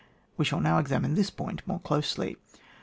We shall now examine this point more closely.